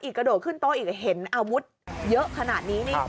กระโดดขึ้นโต๊ะอีกเห็นอาวุธเยอะขนาดนี้นี่